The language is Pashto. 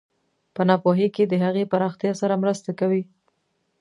په ناپوهۍ کې د هغې پراختیا سره مرسته کوي.